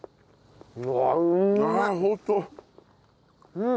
うん！